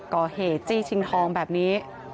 ก่อเหตุจี้ชิงทองแบบนี้